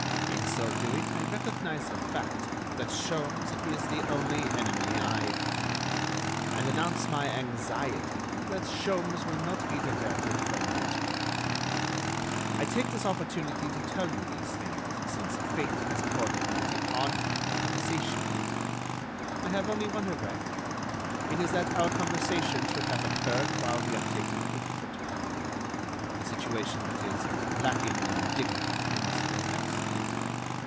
In so doing I recognize the fact that Sholmes is the only enemy I fear, and announce my anxiety that Sholmes will not be diverted from my track. I take this opportunity to tell you these things since fate has accorded me the honor of a conversation with you. I have only one regret; it is that our conversation should have occurred while we are taking a foot bath ... a situation that is lacking in dignity, I must confess....